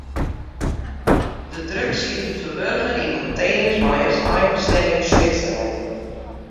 De drugs sieten ferburgen yn konteners mei as einbestimming Switserlân.